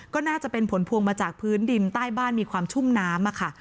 ก็น่าจะเป็นผลพวงมาจากพื้นดินใต้บ้านมีความชุ่มน้ำค่ะ